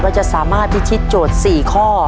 ว่าจะสามารถที่ทิศโจทย์สี่ข้อ